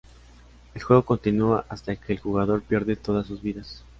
El juego continúa hasta que el jugador pierde todas sus vidas.